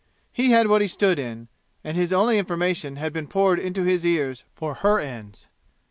He had what he stood in, and his only information had been poured into his ears for her ends.